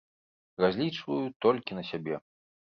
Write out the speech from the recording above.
Разлічваю толькі на сябе.